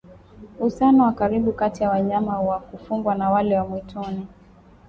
Uhusiano wa karibu kati ya wanyama wa kufugwa na wale wa mwituni